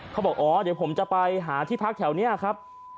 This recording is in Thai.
เขาบอกอ๋อเดี๋ยวผมจะไปหาที่พักแถวนี้ครับ